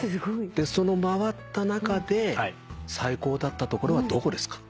その回った中で最高だったところはどこですか？